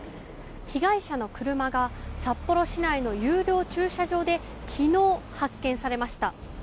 被害者の車が札幌市内の有料駐車場で昨日、発見されました。